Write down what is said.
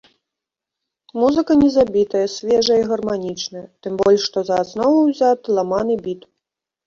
Музыка не забітая, свежая і гарманічная, тым больш, што за аснову ўзяты ламаны біт.